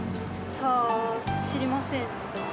さあ知りません。